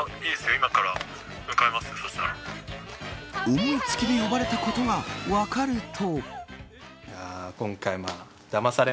思い付きで呼ばれたことが分かると。